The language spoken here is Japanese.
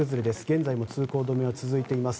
現在も通行止めが続いています。